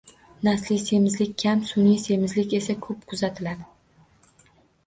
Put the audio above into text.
Nasliy semizlik kam, sun’iy semizlik esa ko‘p kuzatiladi.